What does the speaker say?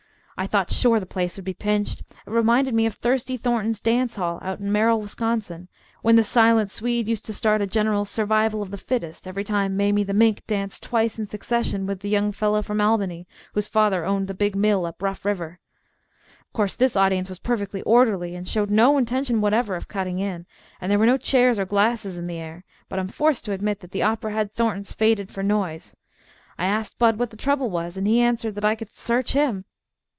I thought sure the place would be pinched. It reminded me of Thirsty Thornton's dance hall out in Merrill, Wisconsin, when the Silent Swede used to start a general survival of the fittest every time Mamie the Mink danced twice in succession with the young fellow from Albany, whose father owned the big mill up Rough River. Of course, this audience was perfectly orderly, and showed no intention whatever of cutting in, and there were no chairs or glasses in the air, but I am forced to admit that the opera had Thornton's faded for noise. I asked Bud what the trouble was, and he answered that I could search him.